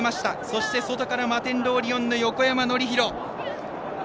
そして、外からマテンロウオリオンの横山典弘。